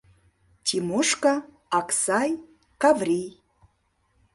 Тимошка, Аксай, Каврий